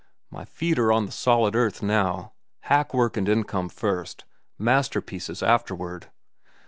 My feet are on the solid earth, now. Hack work and income first, masterpieces afterward.